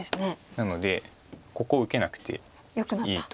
なのでここ受けなくていいと。